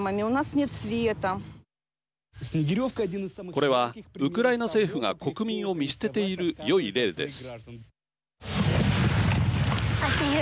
これは、ウクライナ政府が国民を見捨てているよい例です。